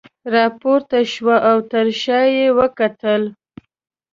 راپورته شوه او تر شاه یې وکتل.